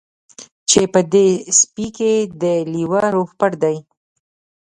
چې په دې سپي کې د لیوه روح پټ دی